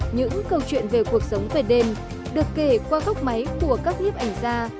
những câu chuyện về cuộc sống về đêm được kể qua góc máy của các nhiếp ảnh gia